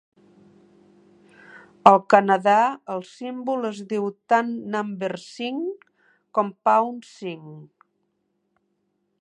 Al Canadà, el símbol es diu tant "number sign" com "pound sign".